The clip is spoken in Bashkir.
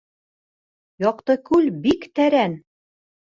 Яҡтыкүл бик тәрән.